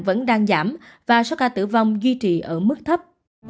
vẫn đang giảm và số ca tử vong duy trì ở mức thấp